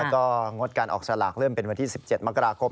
ก็งดการออกสลากเริ่มเป็นวันที่๑๗มกราคม